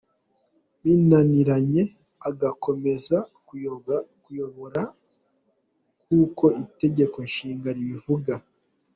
Binaniranye agakomeza kuyobora nk’uko itegeko nshinga ribivuga.